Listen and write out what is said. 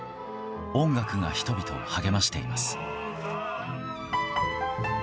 音楽が人々を励ましています。